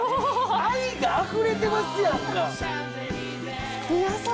愛があふれてますやんか。